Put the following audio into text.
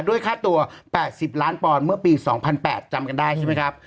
ค่าตัว๘๐ล้านปอนด์เมื่อปี๒๐๐๘จำกันได้ใช่ไหมครับ